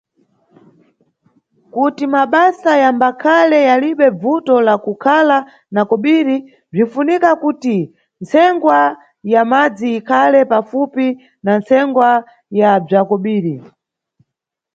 Kuti mabasa yambakhale yalibe bvuto la kukhala na kobiri, bzinʼfunika kuti ntsengwa ya madzi ikhale pafupi na ntsengwa ya bza kobiri.